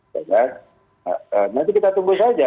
ya kan nanti kita tunggu saja